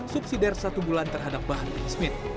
subsidiary satu bulan terhadap bahar bin smith